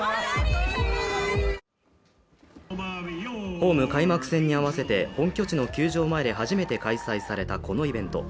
ホーム開幕戦に合わせて本拠地の球場前で初めて開催されたこのイベント。